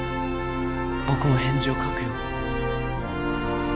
．僕も返事を書くよ。